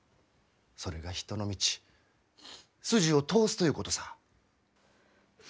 それが人の道筋を通すということさぁ。